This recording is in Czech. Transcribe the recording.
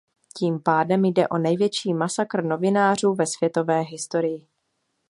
Tím pádem jde o největší masakr novinářů ve světové historii.